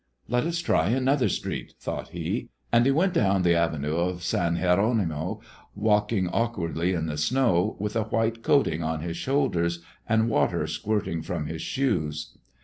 "Let us try another street," thought he; and he went down the Avenue of San Jerónimo, walking awkwardly in the snow, with a white coating on his shoulders and water squirting from his shoes.